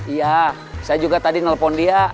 iya saya juga tadi nelpon dia